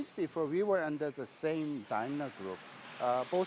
sebelum beberapa hari kami berada di dalam grup dynagroup